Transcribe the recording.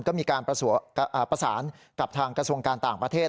ก็มีการประสานกับทางกระทรวงการต่างประเทศ